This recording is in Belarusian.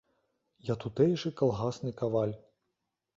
Я тутэйшы калгасны каваль.